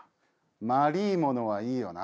まりぃものはいいよな。